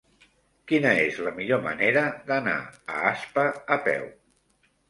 Quina és la millor manera d'anar a Aspa a peu?